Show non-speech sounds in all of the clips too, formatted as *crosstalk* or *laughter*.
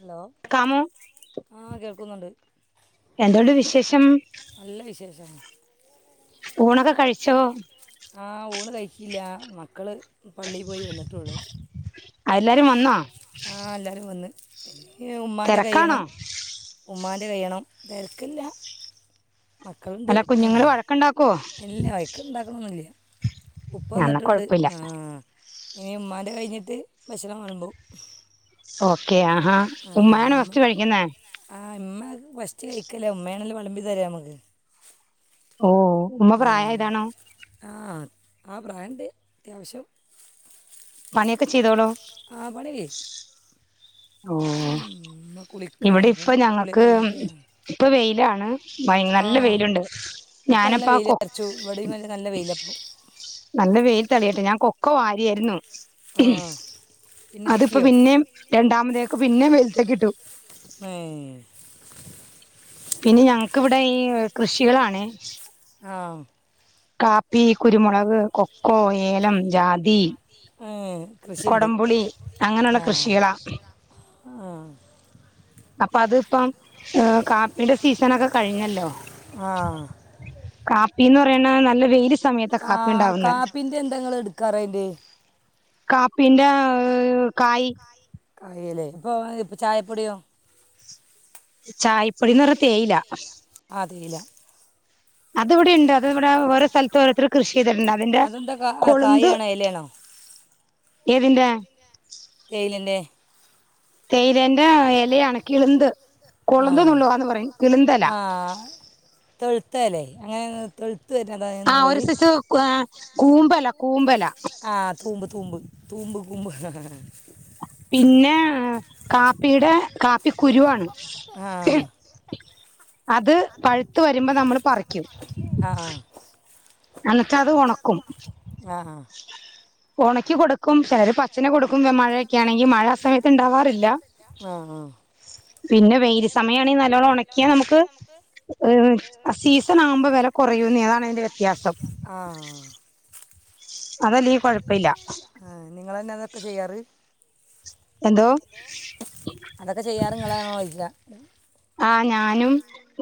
Hello ക്കാമോ ആഹ് കേൾക്കുന്നുണ്ട് എന്തുണ്ട് വിശേഷം നല്ല വിശേഷമാണ് ഊണൊക്കെ കഴിച്ചോ ആഹ് ഊണ് കഴിക്കില്ല മക്കള് പള്ളി പോയി വന്നിട്ടേള്ളു ആ എല്ലാരും വന്നോ ആഹ് എല്ലാരും വന്ന് ഏഹ് ഉമ്മാന്റെ തിരക്കാണോ കഴിയണം ഉമ്മാ *unintelligible* തിരക്കില്ല മക്കളുണ്ട് അല്ല ഉം കുഞ്ഞുങ്ങള് വഴക്കുണ്ടാക്കുവോ ഇല്ല വഴക്ക് ഇണ്ടാക്കണൊന്നില്ല ഉപ്പ എന്നാ വന്നിട്ടുണ്ട് കൊഴപ്പില്ല ആഹ് ഇനി ഉമ്മാന്റെ കഴിഞ്ഞിട്ട് ഭക്ഷണം വെളമ്പും ഓക്കെ ആഹാ ഉമ്മാണോ ഉമ്മ ഫസ്റ്റ് കഴിക്കുന്നേ ആഹ് ഇമ്മ ഫസ്റ്റ് കഴിക്കല്ല ഉമ്മയാണെല്ലോ വെളമ്പി തരാ നമ്മക്ക് ഓ ഉമ്മ പ്രായം ആയതാണോ ആഹ് ആ പ്രായണ്ട് അത്യാവശ്യം പണിയൊക്കെ ചെയ്തോളും ആ പണി *unintelligible* ഓ കുളിക്കാണ് ഇവിടെ അപ്പം ഇപ്പൊ കുളിയൊക്കെ ഞങ്ങക്ക് കഴിഞ്ഞിട്ട് ഇപ്പൊ വെയിലാ വയ് ആ നല്ല വെയില്ണ്ട് ഇപ്പം നല്ല ഞാനപ്പ വെയിൽ കോ അരച്ചു ഇവിടെയും നല്ല നല്ല വെയിലപ്പം നല്ല വെയിൽ *unintelligible* ഞാൻ കൊക്കോ വാരിയായിരുന്നു ആ പിന്നെ അതിപ്പോ ചിക്കിയോ പിന്നേം മതേക്ക് പിന്നെ വെയിലത്തേക്കിട്ടു ഏഹ് പിന്നെ ഞങ്ങക്കവിടെ ഈ കൃഷികളാണെ ആ കാപ്പി കുരുമുളക് കൊക്കോ ഏലം ജാതി ഏ കൃഷിയുണ്ട് കൊടംപുളി അങ്ങനെയുള്ള ആ കൃഷികള ആ അപ്പൊ അത്പ്പം ഏ കാപ്പിൻ്റെ സീസണൊക്കെ കഴിഞ്ഞല്ലോ ആ പി ന്നറയ്ണ നല്ലൊരു *unintelligible* കാ കാപ്പിന്റെന്തങ്ങള് ഇടുക്കാറ അയ്‌ല് കാപ്പിന്റെ ഉം കായ് *unintelligible* ചായപ്പൊടിയോ ചായപ്പൊടീന്ന് പറഞ്ഞ തേയില അശ് ആ തേയില ശ് അതിവിടെണ്ട് അത് അ ഓര സഥലത്തോരോർത്ര കൃഷ് അതെന്താ ക അ കായേണോ എലേണോ ഏതിന്റെ തേയിലേന്റെ ആ എലയാണ് കിള്ന്ത് ആ കൊളുന്ത് ന്നുള്ളുവാന്ന് പറയും കിള്ന്തെല തൊഴുത്തെലെ അങ്ങനെ ഉം തൊഴ് ആ ഒരു *unintelligible* കൂമ്പെല കൂമ്പെല ആ തൂമ്പ് തൂമ്പ് തൂമ്പ് കൂമ്പ് പിന്നെ ഏഹ് കാപ്പിടെ കാപ്പിക്കുരുവാണ് ആ അത് പഴുത്ത് വരുമ്പൊ നമ്മള് പറിക്കും ആ എന്നിട്ടത് ഒണക്കും ആ ആ *unintelligible* *unintelligible* ക്കി കൊടുക്കും ചെലര് പച്ചിന് കൊടുക്കും മഴയൊക്കെയാണെങ്കി മഴ ആ സമയത്ത് ഉൺണ്ടാവാറില്ല ആ പിന്നെ വെയ്ല് സമയാണെയ് നല്ലോണം ഉണാക്കിയാൽ ആ സീസണാവുമ്പോ വില കൊറയൂന്ന് അതാണ് അയ്ൻ്റെ വെ - വ്യത്യാസം ആ *unintelligible* കുഴപ്പമില്ല ആ നിങ്ങളെന്നെ അതൊക്കെ ചെയ്യാറ് എന്തോ അതൊക്കെ ചെയ്യാറ്ങ്ങളാണോയ്ക്ക *inaudible* ആ ഞാനും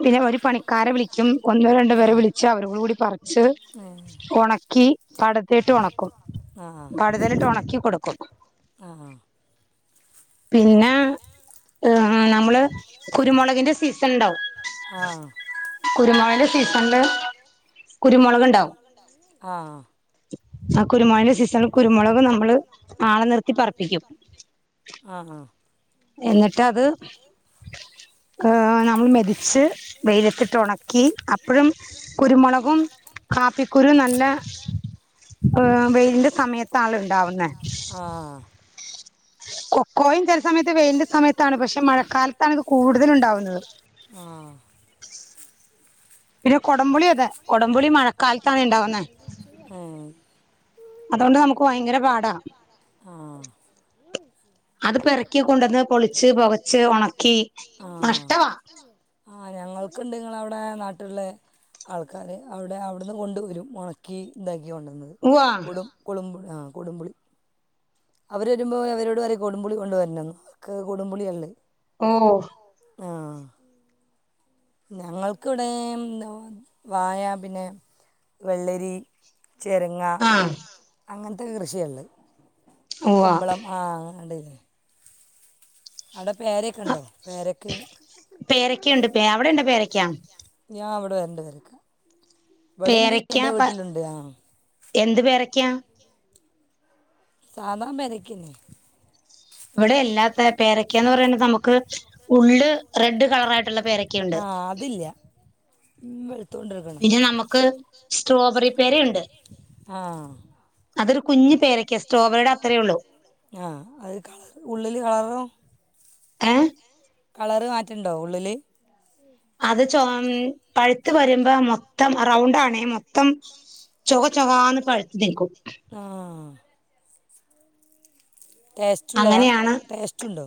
പിന്നെ ഒരു പണിക്കാരെ വിളിക്കും- ഒന്ന് രണ്ട് പേരെ വിളിച്ച അവരോടു കൂടി പറിച്ച് ഒണക്കി പടത്തിട്ട് ഒണക്കും ആ ആ പടുതലിട്ട് ഒണക്കി കൊടുക്കും ആ പിന്നെ നമ്മള് കുരുമുളകിന്റെ സീസൺണ്ടാവും. ആ കുരുമൊളകിൻ്റെ സീസണ്ല് കുരുമൊളക്ണ്ടാവും ആ ആ കുരുമുളകിന്റെ സീസണില് കുരുമുളക് നമ്മള് ആളെ നിർത്തി പറപ്പിക്കും ആ എന്നിട്ടത് നമ്മൾ മെതിച്ച് വെയിലത്തിട്ട് ഉണക്കി കുരുമുളകും കാപ്പിക്കുരുവും നല്ല വെയിലിന്റെ സമയത്ത് ആണ- ആവുന്നേ- ആ *inaudible* ക്കോയും *inaudible* ചില വെയിലിന്റെ സമയത്താണ്. പക്ഷെ മഴക്കാലത്താണ് ഇത് കൂടുതല് ഉണ്ടാവുന്നത്. പിന്നെ കൊടംപുളി അതെ കൊടംപുളി മഴക്കാലത്താണ് ഇണ്ടാവുന്നേ ഏ, അതുകൊണ്ട് നമുക്ക് ഭയങ്കര പാടാ ആ അത് പെറക്കി കൊണ്ടുവന്ന് പൊളിച്ച് പുകച്ച് ഉണക്കി ആ നഷ്ടവാ. ആ ഞങ്ങൾക്കുണ്ട് അവിടെ നാട്ടില്- ആൾക്കാര് അവിടെ അവിടെന്ന് കൊണ്ട് വരും ഉണക്കി ഇതാക്കി- കൊണ്ടുവന്നത് ഉവ്വാ കൊടും കൊടംപുളി ആ കൊടുംപുളി അവര് വരുമ്പോൾ അവരോട് പറ കൊടുംപുളി കൊണ്ട് വരണോന്നു അവർക്ക് കൊടുംപുളി ഇല്ലല്ലോ. ഓ ഞങ്ങൾക്കിവിടെന്താ വായപിന്നെ വെള്ളരി- ചെരങ്ങാ ആഹ് അങ്ങനത്തെ കൃഷിയേള്ളു. ഉവ്വാ കുമ്പളം ആ അതേല്ലേ പേരക്ക ആ ഉണ്ടോ പേരയ്ക്ക് പേരയ്ക്കയുണ്ട് അവിടെയുണ്ടോ പേരയ്ക്കാ? ഞാൻ അവടെ വരണുണ്ട് ഇതെടുക്കാൻ പേരയ്ക്കാ എന്ത് പേരയ്ക്കയാണ്? സാധാ പേരയ്ക്കതന്നെ ഇവിടെയില്ലാത്ത പേരയ്ക്കാന്ന് പറയണത് നമുക്ക് ഉള്ള് റെഡ് കളറായി ട്ടുള്ള പേരയ്ക്കയുണ്ട് ഉ പിന്നെ നമുക്ക് സ്ട്രോബെറി പേരയുണ്ട് ആ അത് കുഞ്ഞ് പേരയ്ക്കയാ സ്ട്രോബെറിയുടെ അത്രേ ഉള്ളൂ ആ അത് കളർ ഉള്ളില് കളറും ഏ കളർ മാറ്റണ്ടോ ഉള്ളില് അത് ചൊമന്ന് പഴ് ഴുത്ത് വരുമ്പോ മൊത്തം റൗണ്ടാണെ മൊത്തം ചൊക ചൊകാന്ന് പഴുത്ത് നിൽക്കും അ ടേസ്റ്റുള്ളതാ അങ്ങനെയാണ് ടേസ്റ്റ് ഉണ്ടോ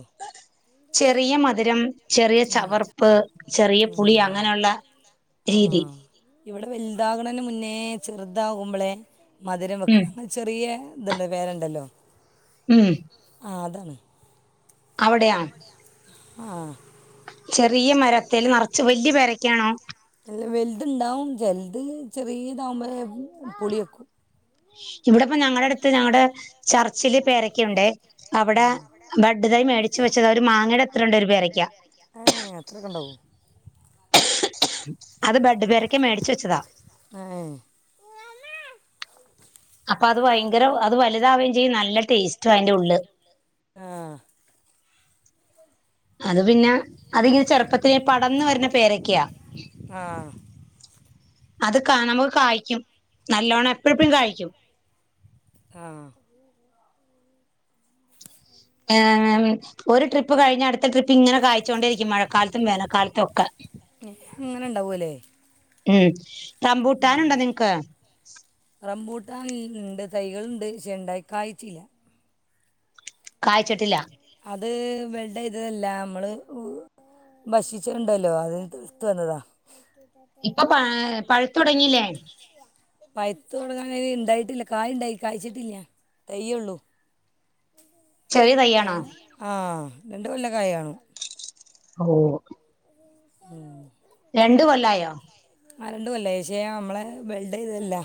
ചെറിയ മധുരം ചെറിയ ചവർപ്പ് ചെറിയ പുളി അങ്ങനെള്ള ആ രീതി ഇവിടെ വലുതാക്ണേന്റെമുന്നേ ചെറുതാകുമ്പളെ മധുരം ഉം വെക്കണം ചെറിയ തുണ്ട് വേറെണ്ടല്ലോ ഉം ആ അതാണ് അവിടെയാ അ ചെറിയ മരത്തില് നർ ചോല്യപേരക്കാണോ വൽത്ണ്ടാവും ചെൽത് ചെറീതാകുമ്പഴേ പുളിക്കും ഇവിടിപ്പം ഞങ്ങളടുത്ത് ഞങ്ങൾടെ ചർച്ചില് പേരക്യാണ്ട് ആ അവിടെ ബഡ്തൈ മേടിച്ചുവെച്ചത ഒരു മാങ്ങടെത്രണ്ട് ഒരു പേരക്യാ ഏ അത്രയൊക്കെ ഉണ്ടാവും അത് ബെഡ് പേരക്ക മേടിച്ച് വച്ചതാ ഏ അപ്പ അത് ഭയങ്കര അത് വലുതാവേം ചെയ്യും നല്ല ടേസ്റ്റ ഐന്റെ ഉള്ള് അ അത് പിന്നെ അതിങ്ങനെ ചെറുപ്പത്തിലെ പടർന്ന് വരുന്ന പേരക്യാ ആ അത് കാണാം കായിക്കും നല്ലോണം എപ്പഴപ്പഴും കാഴ്‌ക്യും അ ഏ ഒരു ട്രിപ്പ് കഴിഞ്ഞ അടുത്ത ട്രിപ്പ്ങ്ങനെ കാ ച്ചോണ്ടിരിക്കും മഴക്കാലത്തും വേനൽക്കാലത്തൊക്കെ അങ്ങനെ ഉണ്ടാവുമല്ലേ ഉം റംബൂട്ടാനുണ്ടോ നിങ്ങക്ക് *unintelligible* ഉണ്ട് തൈകള്ണ്ട് പക്ഷേ ണ്ടായി കായ്ച്ചില്ല. കായ്ച്ചിട്ടില്ല. അത് വെൽടൈതതല്ല മ്മള് ഭക്ഷിച്ചേണ്ടല്ലോ അത് തീർത് വന്നതാ. ഇപ്പ പാ പഴു ത്തുടങ്ങില്ലേ പൈത്ത് തുടങ്ങാനൈന് ഇണ്ടായിട്ടില്ല കായിണ്ടായി കായ്ച്ചിട്ടില്ല തയ്യുള്ളു. ചെറിയ തയ്യാണോ ആ രണ്ട് കൊല്ലക്കായി കാണും. ഓ ഉം രണ്ട് കൊല്ലായോ? ആ രണ്ടുകൊല്ലായി പക്ഷേ നമ്മളെ ബെൽഡ്യ്തല്ല.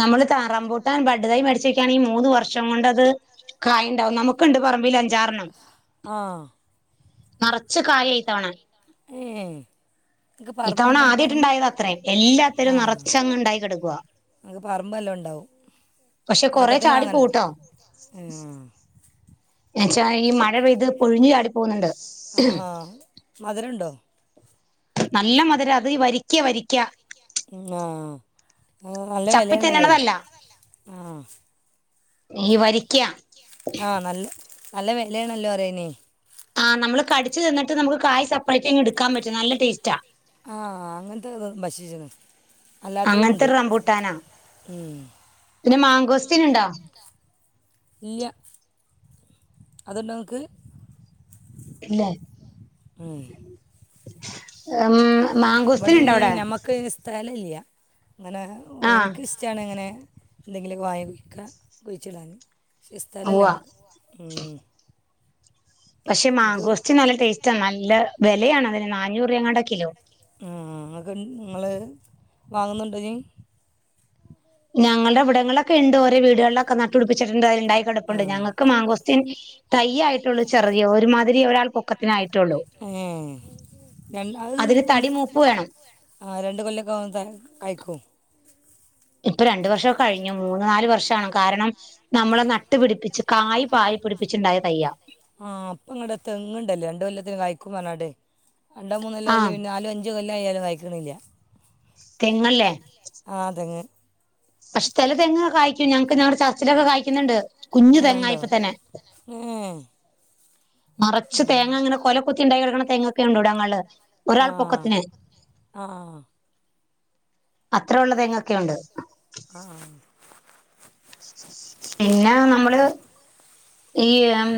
നമ്മള് താ റമ്പൂട്ടാൻ ബഡ്ഡു തൈ മേടി *unintelligible* മൂന്ന് വർഷം കൊണ്ടത് കായിണ്ടാവും നമുക്കുണ്ട് പറമ്പില് അഞ്ചാറണ്ണം. ആ നിറച്ച് കായിയാ ഇത്തവണ. ഏ നമുക്ക് ഇതാണ് പറമ്പ് പറമ്പ് ആദ്യായിട്ടുണ്ടായതാത്രെ. എല്ലാത്തിലും ആ നിറച്ചങ്ങ് ഉണ്ടായി കിടക്കുവാ. നമുക്ക് പറമ്പ് എല്ലാം ഉണ്ടാവും പക്ഷെ കൊറെ പാട്ടത്തിന് ചാടി വാങ്ങണം പോവുട്ടോ. എന്ന്ച്ചാ ഈ മഴ പെയ്ത് പൊഴിഞ്ഞു ചാടി പോകുന്നുണ്ട്. ആ. മധുരം ഉണ്ടോ? നല്ല മധുരാ അത് ഈ വരിക്കയ വരിക്ക. ആ. മ് നല്ല ചപ്പി വിലയാണല്ലോ. തിന്നണതല്ല ആഹ് ഈ വരിക്കയാ. അഹ് നല്ല നല്ല വിലയാണല്ലോ അറേന്. ആഹ് നമ്മള് കടിച്ചു തിന്നിട്ട് നമുക്ക് കായ് സപ്പറേറ്റിങ് എടുക്കാൻ പറ്റും നല്ല ടേസ്റ്റാ. ആ അങ്ങനത്തെത് ഭക്ഷിച്ചിന് അങ്ങനത്തെ അല്ലാത്തതുണ്ട് ഒരു റംബൂട്ടാനാ ഉം. പിന്നെ മാങ്കോസ്റ്റീനുണ്ടോ? ഇല്ല അതൊണ്ടോ ങ്ങക്ക്? ഇല്ലേ ഉം. ഏ മാങ്കോസ്‌തീൻ ഉണ്ടോ അവിടെ? ഇല്ല്യ. അങ്ങനെ ആഹ് എനിക്കിഷ്ടാനിങ്ങനെ എന്തെങ്കിലൊക്കെ വാങ്ങിക്ക കുഴിച്ചടാന്. ഉവ്വ സ്ഥലല്ലമ്മക്ക് ഉം. പക്ഷെ നമുക്ക് മാങ്കോസ്റ്റീൻ നല്ല ടേസ്റ്റാ നല്ല വിലയാണതിന് നാനൂറ് രൂപേങ്ങാണ്ടെ കിലോ ആഹ് ഇങ്ങള് വാങ്ങുന്നുണ്ടാ ഇനി ഞങ്ങൾടെ ഇവിടങ്ങളിലൊക്കെണ്ട് ഓരോ വീടുകളിലൊക്കെ നട്ടുപിടിപ്പിച്ചിട്ടുണ്ടായി ഉണ്ടായി കെടപ്പുണ്ട്, ഞങ്ങൾക്ക് ആ മാങ്കോസ്റ്റീൻ തൈയായിട്ടുള്ളൂ ചെറിയൊരുമാതിരി ഒരാൾ പൊക്കത്തിനായിട്ടുള്ളൂ, ഏ രണ്ട് അത് അതിന് തടി മൂപ്പ് വേണം. ആ രണ്ട് കൊല്ലൊക്കെ ആകും കായ്ക്കും ഇപ്പൊ രണ്ട് വർഷം കഴിഞ്ഞു മൂന്ന് നാല് വർഷാണ് കാരണം നമ്മള് നട്ട് പിടിപ്പിച്ചു കായ് പാകി പിടിപ്പിച്ചുണ്ടായ തൈയ്യാ ആഹ് അപ്പ ഇങ്ങടെ തെങ്ങ്ണ്ടല്ലേ രണ്ട് കൊല്ലത്തില് കായ് ക്കും പറഞ്ഞാണ്ട് രണ്ടോ മൂന്നോ കൊല്ലം കഴിഞ്ഞ് ആഹ് പിന്നെ നാലോ അഞ്ചോ കൊ *unintelligible* തെങ്ങല്ലേ? ആ തെങ്ങ്. പക്ഷേ ചെല തെങ്ങ് കായിക്കും ഞങ്ങക്ക് ഞങ്ങടെ ചർച്ചിലൊക്കെ കായിക്കുന്നിണ്ട്. ആ കുഞ്ഞു ഉണ്ടോ തെങ്ങായിപ്പ തന്നെ ഏ നറച്ച് തേങ്ങ അങ്ങനെ കൊലക്കുത്തി ഇണ്ടായി കെടക്കണ തെങ്ങൊക്കെ ഉണ്ട് ഇവടങ്ങളില്. ആഹ് ആഹ് അത്ര ഉള്ള തെങ്ങൊക്കെ ഉണ്ട്. ആ പിന്നെ നമ്മള് ഈ ഉം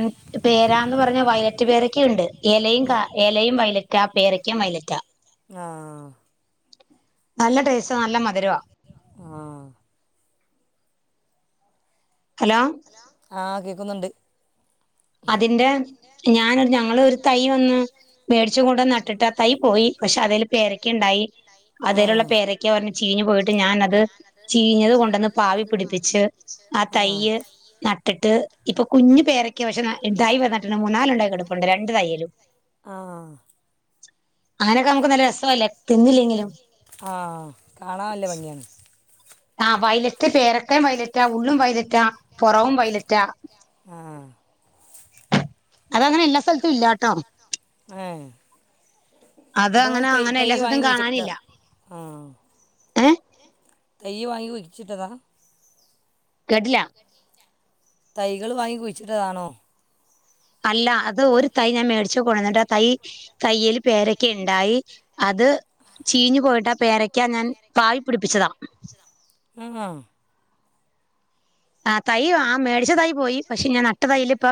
പേരാന്ന് പറഞ്ഞ വയലറ്റ് പേരക്കയും ഉണ്ട് ഇലയും ഇലയും വയലറ്റ് ആ പേരയ്ക്കയും വൈലറ്റാ. ആഹ് നല്ല ടേസ്റ്റ് നല്ല മധുരവാ. ആ ഹലോ ആ കേക്കുന്നുണ്ട്. അതിന്റെ ഞാൻ ഞങ്ങള് ഒരു തൈ വന്ന് മേട്ച്ചും കൊണ്ട് നട്ടിട്ട് ആ തൈ പോയി പക്ഷെ അതെല് പേരക്കയുണ്ടായി അതെലുള്ള പേരക്ക ഒരെണ്ണം ചീഞ്ഞ് പോയിട്ട് ഞാൻ അത് ചീഞ്ഞത് കൊണ്ടന്ന് പാവി പിടിച്ച് പിടിപ്പിച്ച് ആ തൈയ്യ് നട്ടിട്ട് ഇപ്പൊ കുഞ്ഞ് പേര പക്ഷെ തൈ വന്നിട്ട്ണ്ട് മൂന്നാലുണ്ടായി കിടപ്പുണ്ട് രണ്ടു തയ്യിലും ആ അങ്ങനൊക്കെ നമുക്ക് നല്ല രസല്ലേ തിന്നില്ലെങ്കിലും ആ കാണാൻ നല്ല ഭംഗിയാണ് ആഹ് വയലറ്റ് പേരക്കം വയലറ്റാ ഉള്ളും വയലറ്റാ പുറവും വൈലറ്റാ ആഹ് അതങ്ങനെ എല്ലാ സ്ഥലത്തും ഇല്ലാട്ടോ ഏ അത് നിങ്ങൾ അങ്ങനെ തൈ അങ്ങനെ തൈ എല്ലാ സ്ഥലത്തും വാങ്ങി കുഴിച്ചിട്ടതാ കാണാനില്ല ആ ഏ തൈ വാങ്ങി കുഴിച്ചിട്ടതാ കേട്ടില്ല തൈകള് വാങ്ങി കുഴിച്ചിട്ടതാണോ അല്ല അത് ഒരു തൈ ഞാൻ മേടിച്ചു കൊണ്ടന്നിട്ട് ആ തൈ തയ്യിൽ പേരക്ക ഇണ്ടായി അത് ചീഞ്ഞു പോയിട്ട് ആ പേരക്കാ ഞാൻ പാവി പിടിപ്പിച്ചതാ ആ ആ ആ തൈ ആ മേടിച്ച തൈ പോയി പക്ഷെ ഞാൻ നട്ട തൈല് ഇപ്പം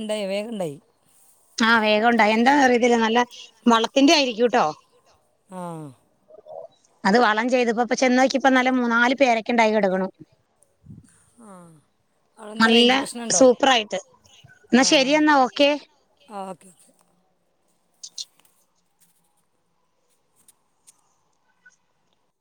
ണ്ടായി വേഗം ണ്ടായി ആഹ് വേഗം ഉണ്ടായി എന്താ അറിയത്തില്ല നല്ല വളത്തിന്റെ ആയിരിക്കൂട്ടോ ആഹ് അത് വളം ചെയ്തപ്പോപ്പ ചെന്നോക്കിപ്പോ നല്ല മൂന്നാല് പേരയ്ക്ക ഇണ്ടായി കെടക്കണു ആ അടെ എന്താ നല്ല റേഞ്ച് പ്രശ്നുണ്ടോ സൂപ്പറായിട്ട് എന്നാ ആ ശരി എന്നാ ഓക്കെ ഓ *inaudible*